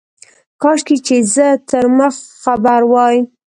کاشکي چي زه تر مخ خبر وای.